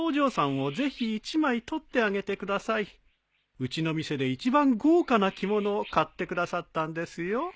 うちの店で一番豪華な着物を買ってくださったんですよ。